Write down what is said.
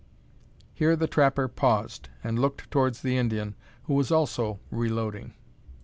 Here the trapper paused, and looked towards the Indian, who was also reloading.